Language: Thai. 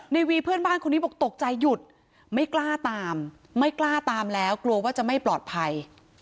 วีเพื่อนบ้านคนนี้บอกตกใจหยุดไม่กล้าตามไม่กล้าตามแล้วกลัวว่าจะไม่ปลอดภัย